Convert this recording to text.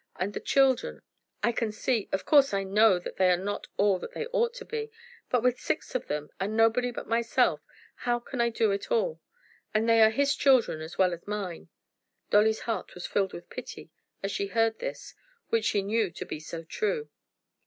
And the children! I can see of course I know that they are not all that they ought to be. But with six of them, and nobody but myself, how can I do it all? And they are his children as well as mine." Dolly's heart was filled with pity as she heard this, which she knew to be so true!